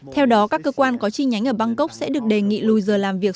theo đó các cơ quan có chi nhánh ở bangkok sẽ được đề nghị lùi giờ làm việc